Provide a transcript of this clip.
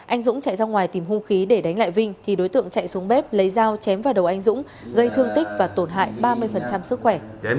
anh dũng chạy ra ngoài tìm hung khí để đánh lại vinh thì đối tượng chạy xuống bếp lấy dao chém vào đầu anh dũng gây thương tích và tổn hại ba mươi sức khỏe